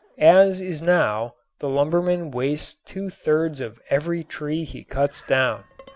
As it is now the lumberman wastes two thirds of every tree he cuts down.